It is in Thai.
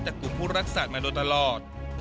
จากกลุ่มผู้รักษัตริย์มาโดยตลอด